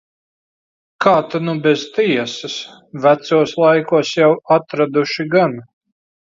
Kā ta nu bez tiesas. Vecos laikos jau atraduši gan.